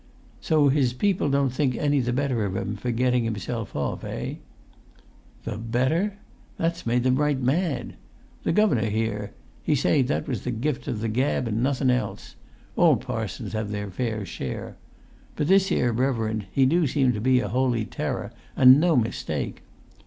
"So his people don't think any the better of him for getting himself off, eh?" "The better? That's made them right mad! The governor here, he say that was the gift of the gab and nothun else; all parsons have their fair share; but this here reverend, he do seem to be a holy terror, an' no mistake.